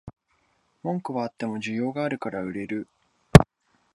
文句はあっても需要があるから売れる